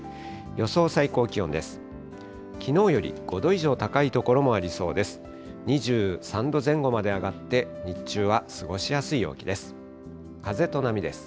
予想最高気温です。